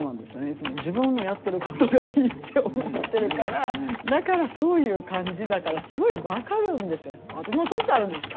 いつも自分のやってることがいいって思ってるからだからそういう感じだから私もしょっちゅうあるんです。